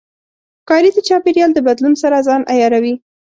ښکاري د چاپېریال د بدلون سره ځان عیاروي.